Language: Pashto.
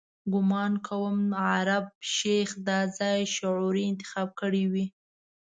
ګومان کوم عرب شیخ دا ځای شعوري انتخاب کړی وي.